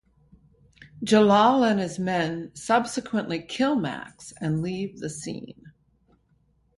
Jalal and his men subsequently kill Max and leave the scene.